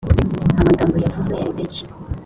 amagambo yavuzwe yari menshi